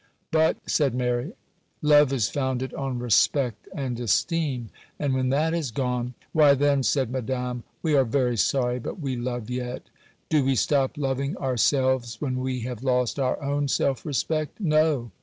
'But,' said Mary, 'love is founded on respect and esteem; and when that is gone——' 'Why, then,' said Madame, 'we are very sorry; but we love yet; do we stop loving ourselves when we have lost our own self respect? No!